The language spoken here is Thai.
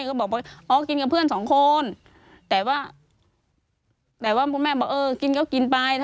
ก็บอกว่าอ๋อกินกับเพื่อนสองคนแต่ว่าแต่ว่าคุณแม่บอกเออกินก็กินไป